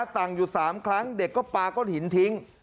สั่งอยู่๓ครั้งเด็กก็ปลาก้อนหินทิ้ง